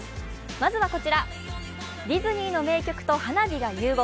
まずはこちら、ディズニーの名曲と花火が融合。